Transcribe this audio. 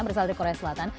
berasal dari korea selatan